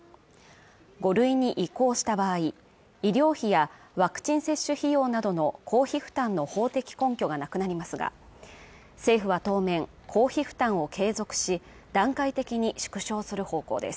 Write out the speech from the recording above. ５類に移行した場合医療費やワクチン接種費用などの公費負担の法的根拠がなくなりますが政府は当面公費負担を継続し段階的に縮小する方向です